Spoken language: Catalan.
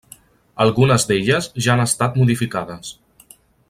Algunes d'elles ja han estat modificades.